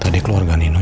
tadi keluarga nino